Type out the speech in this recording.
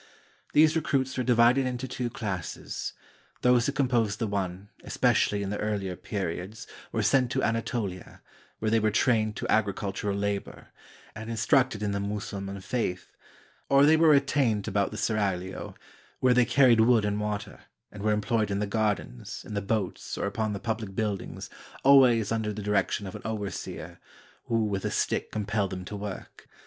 These recruits were divided into two classes. Those who composed the one, especially in the earlier periods, were sent to Anatolia, where they were trained to agri cultural labor, and instructed in the Mussulman faith; or they were retained about the seraglio, where they car ried wood and water, and were employed in the gardens, in the boats, or upon the public buildings, always under the direction of an overseer, who with a stick compelled them to work.